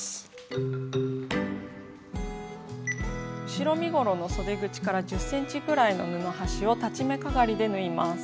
後ろ身ごろのそで口から１０ｃｍぐらいの布端を裁ち目かがりで縫います。